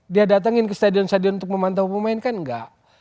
dia datangin ke stadion stadion untuk memantau pemain kan enggak